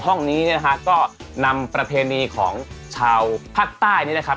ครั้งห้องนี้ก็นำประเภนีของชาวภาคใต้นี่นะครับ